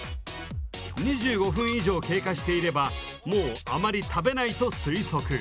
２５分以上経過していればもうあまり食べないと推測。